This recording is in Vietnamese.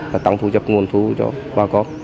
và tăng thu nhập nguồn thu cho bà con